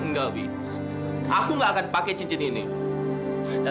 om gustaf gak benci sama lara